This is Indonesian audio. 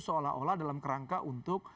seolah olah dalam kerangka untuk